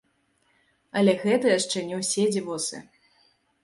Але гэта яшчэ не ўсе дзівосы!